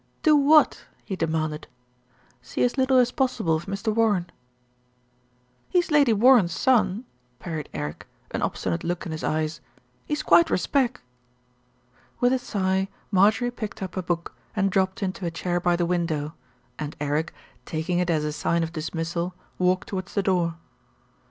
"Do what?" he demanded. "See as little as possible of Mr. Warren." "He's Lady Warren's son," parried Eric, an ob stinate look in his eyes. "He's quite respec." With a sigh Marjorie picked up a book and dropped into a chair by the window, and Eric, taking it as a sign of dismissal, walked towards the door.